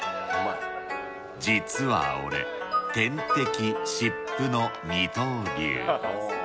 実は俺点滴、湿布の二刀流。